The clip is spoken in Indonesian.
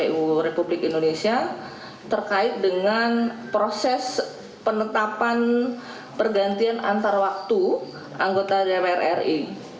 kpu republik indonesia terkait dengan proses penetapan pergantian antar waktu anggota dpr ri